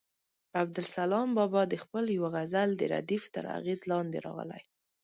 عبدالسلام بابا د خپل یوه غزل د ردیف تر اغېز لاندې راغلی.